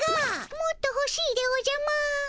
もっとほしいでおじゃマーン。